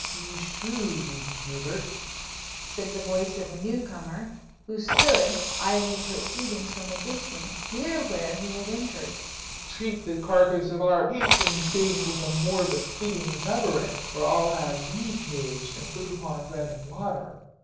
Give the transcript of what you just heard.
"Beshrew thee, Hubert!" said the voice of a new comer, who stood eyeing the proceedings from a distance, near where he had entered; "treat the carcase of our patron saint with a more befitting reverence, or I'll have thee caged and put upon bread and water.